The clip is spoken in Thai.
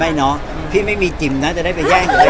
ไม่พี่ไม่มีจิ่มนะจะได้ไปแย่งกับเขา